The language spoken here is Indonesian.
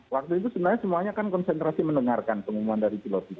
waktu itu sebenarnya semuanya kan konsentrasi mendengarkan pengumuman dari pilot itu